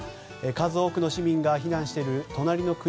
数多くの市民が避難している隣の国